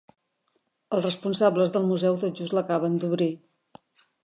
Els responsables del museu tot just l'acaben d'obrir.